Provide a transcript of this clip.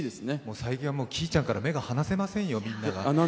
最近はきいちゃんから目が離せませんよ。